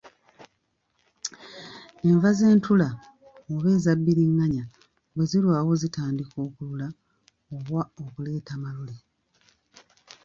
Enva z’entula oba eza bbiringanya bwe zirwawo zitandika okulula oba okuleeta Malule.